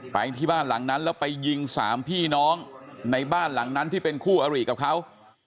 ไปที่บ้านหลังนั้นแล้วไปยิงสามพี่น้องในบ้านหลังนั้นที่เป็นคู่อริกับเขา